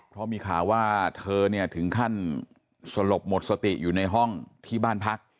เพราะมีข่าวว่าเธอเนี่ยถึงขั้นสลบหมดสติอยู่ในห้องที่บ้านพัก